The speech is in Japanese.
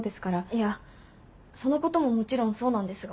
いやそのことももちろんそうなんですが。